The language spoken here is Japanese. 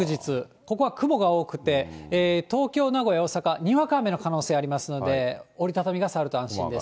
ここは雲が多くて、東京、名古屋、大阪、にわか雨の可能性ありますので、折り畳み傘あると安心です。